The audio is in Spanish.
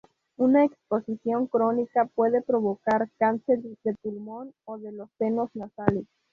Una exposición crónica puede provocar cáncer de pulmón o de los senos nasales.